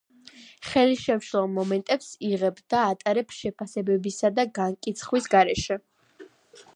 ხელისშემშლელ მომენტებს იღებ და ატარებ შეფასებებისა და განკიცხვის გარეშე.